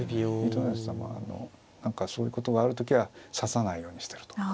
糸谷さんは何かそういうことがある時は指さないようにしてると。